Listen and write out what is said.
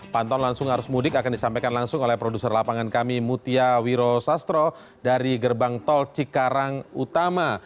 pantauan langsung arus mudik akan disampaikan langsung oleh produser lapangan kami mutia wiro sastro dari gerbang tol cikarang utama